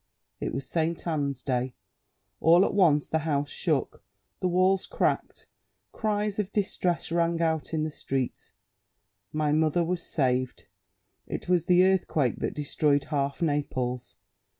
It was St. Anne's Day; all at once the house shook, the walls cracked, cries of distress rang out in the streets. My mother was saved. It was the earthquake that destroyed half Naples.